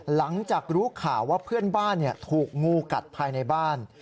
หลังจากรู้ข่าวว่าเพื่อนบ้านถูกงูกัดภายในบ้าน